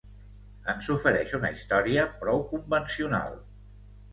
Ens ofereix una història prou convencional